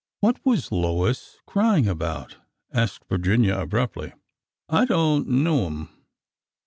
"" What was Lois crying about ?" asked Virginia, ab ruptly. I don't know'm.